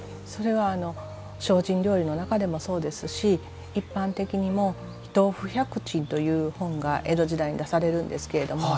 それは精進料理の中でもそうですし一般的にも「豆腐百珍」という本が江戸時代に出されるんですけれども